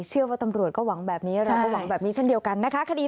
เชื่อว่าตำรวจก็หวังแบบนี้